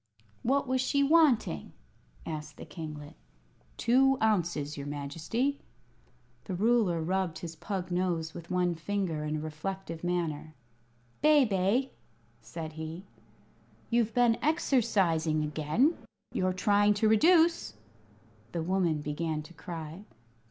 "What was she wanting?" asked the kinglet. "Two ounces, your Majesty." The ruler rubbed his pug nose with one finger, in a reflective manner. "Bebe," said he, "you've been exercising again. You're trying to reduce!" The woman began to cry.